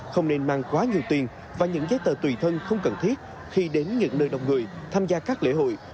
không nên mang quá nhiều tiền và những giấy tờ tùy thân không cần thiết khi đến những nơi đông người tham gia các lễ hội